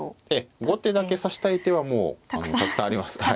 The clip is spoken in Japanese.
ええ後手だけ指したい手はもうたくさんあります。